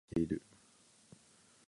③ 短期、中期、長期的な戦略を兼ね備えている